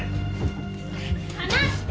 離して！